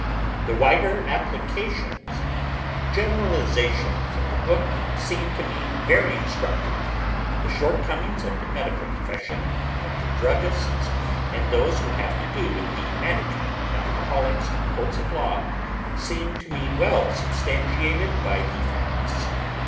The wider applications and generalizations of the book seem to me very instructive. The shortcomings of the medical profession, of the druggists, and those who have to do with the management of alcoholics in courts of law seem to me well substantiated by the facts.